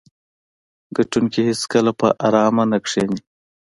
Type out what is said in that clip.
ګټونکي هیڅکله په ارامه نه کیني.